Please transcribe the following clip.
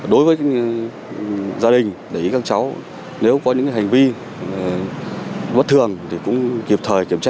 đối với gia đình để ý các cháu nếu có những hành vi bất thường thì cũng kịp thời kiểm tra